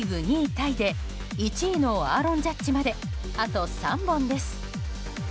タイで１位のアーロン・ジャッジまであと３本です。